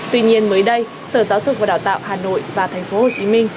tuy nhiên mới đây sở giáo dục và đào tạo hà nội và tp hcm